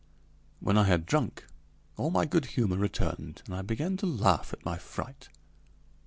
When I had drunk all my good humor returned and I began to laugh at my fright.